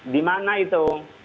di mana itu